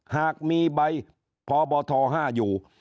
หากมีใบพบท๕อยู่